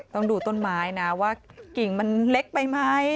ต้องดูต้นไม้นะว่ากิ่งมันเล็กไปไหม